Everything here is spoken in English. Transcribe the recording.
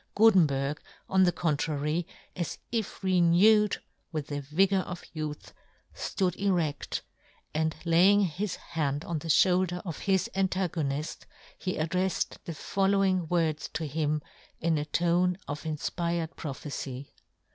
Gutenberg, on the contrary, as if renewed with the vigour of youth, flood ered:, and lay ing his hand on the fhoulder of his antagonifl, he addreffed the follow ing words to him, in a tone of in fpired prophecy.